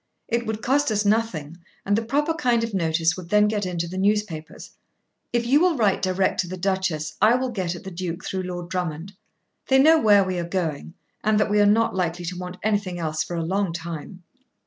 It would cost us nothing, and the proper kind of notice would then get into the newspapers. If you will write direct to the Duchess, I will get at the Duke through Lord Drummond. They know where we are going, and that we are not likely to want anything else for a long time."